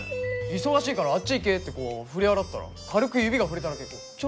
忙しいからあっち行けってこう振り払ったら軽く指が触れただけでこうちょんちょんって。